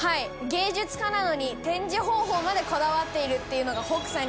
芸術家なのに展示方法までこだわっているっていうのが。